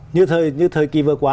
như thời kỳ vừa qua